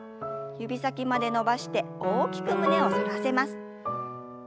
指先まで伸ばして大きく胸を反らせます。